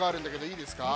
いいですよ。